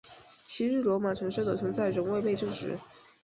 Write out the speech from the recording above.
昔日罗马城市的存在仍未被证实。